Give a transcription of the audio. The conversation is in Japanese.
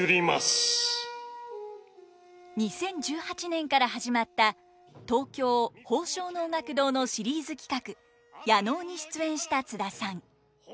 ２０１８年から始まった東京宝生能楽堂のシリーズ企画夜能に出演した津田さん。